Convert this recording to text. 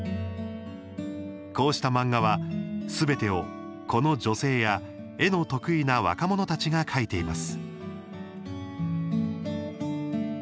こうした漫画は、すべてをこの女性や絵の得意な若者たちが描いています。